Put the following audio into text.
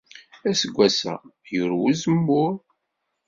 Aseggas-a, yurew uzemmur.